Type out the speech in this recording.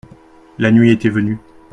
La nuit était venue.